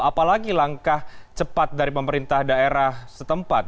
apalagi langkah cepat dari pemerintah daerah setempat